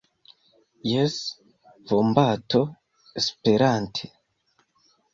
Jes, vombato Esperante.